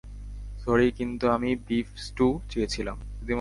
Sorry, কিন্তু আমি beef stew চেয়েছিলাম।